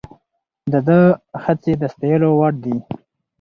د ده هڅې د ستایلو وړ دي.